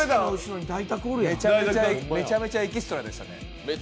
めちゃめちゃエキストラでしたね。